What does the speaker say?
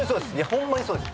ホンマにそうです。